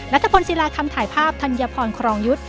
พลศิลาคำถ่ายภาพธัญพรครองยุทธ์